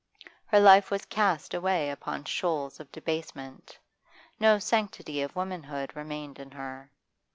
Her life was cast away upon shoals of debasement; no sanctity of womanhood remained in her.